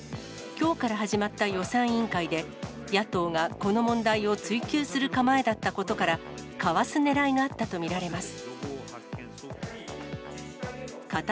きょうから始まった予算委員会で、野党がこの問題を追及する構えだったことから、かわすねらいがあったと見られます。